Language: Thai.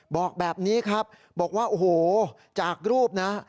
บอกแบบนี้ครับบอกว่าโอ้โหจากรูปนะ